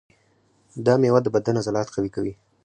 دا مېوه د بدن عضلات قوي کوي.